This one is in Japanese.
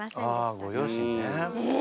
あご両親ね。